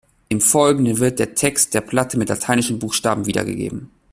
Im Folgenden wird der Text der Platte mit lateinischen Buchstaben wiedergegeben.